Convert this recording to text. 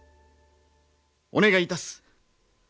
お願いいたす。